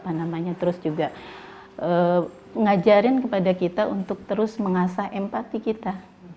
apa namanya terus juga ngajarin kepada kita untuk terus mengasah empati kita